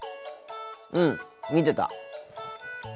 うん見てた。